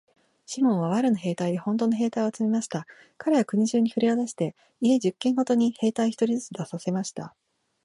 シモンは藁の兵隊でほんとの兵隊を集めました。かれは国中にふれを出して、家十軒ごとに兵隊一人ずつ出させました。